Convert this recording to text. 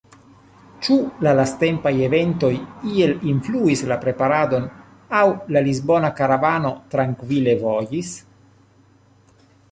Ĉu la lastatempaj eventoj iel influis la preparadon, aŭ la lisbona karavano trankvile vojis?